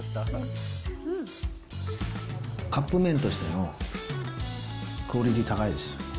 カップ麺としてのクオリティー高いです。